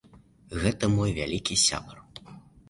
Гэта мой вялікі сябар.